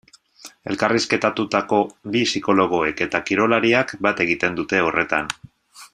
Elkarrizketatutako bi psikologoek eta kirolariak bat egiten dute horretan.